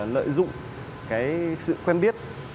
lợi dụng sự quen biết